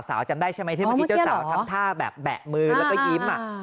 จำได้ใช่ไหมที่เมื่อกี้เจ้าสาวทำท่าแบบแบะมือแล้วก็ยิ้ม